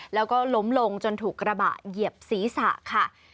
แล้วก็ล้มลงจนถูกกระบะเหยียบศีรษะค่ะ